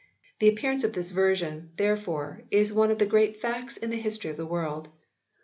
The appearance of this version, therefore, is one of the great facts in the history of the world.